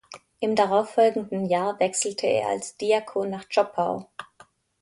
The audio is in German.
Im darauffolgenden Jahr wechselte er als Diakon nach Zschopau.